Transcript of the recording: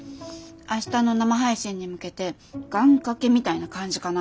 明日の生配信に向けて願かけみたいな感じかな。